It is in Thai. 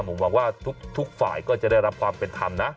ผมหวังว่าทุกฝ่ายก็จะได้รับความเป็นธรรมนะ